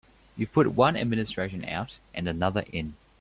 You've put one administration out and another in.